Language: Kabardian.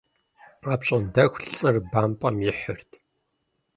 Апщӏондэху лӏыр бампӏэм ихьырт.